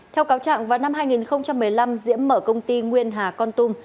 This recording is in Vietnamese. theo cáo trạng vào năm hai nghìn một mươi năm diễm mở công ty nguyên hà con tum